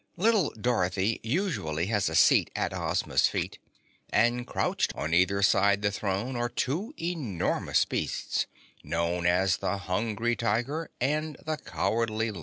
Little Dorothy usually has a seat at Ozma's feet, and crouched on either side the throne are two enormous beasts known as the Hungry Tiger and the Cowardly Lion.